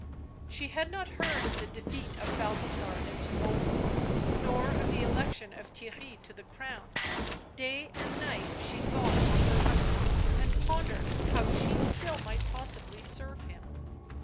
She had not heard of the defeat of Balthasar at Tivoli, nor of the election of Theirry to the crown; day and night she thought on her husband, and pondered how she might still possibly serve him.